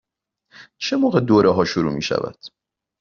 چه موقع دوره ها شروع می شود؟